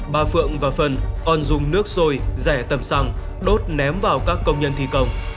bà phượng và phần còn dùng nước sôi rẻ tầm xăng đốt ném vào các công nhân thi công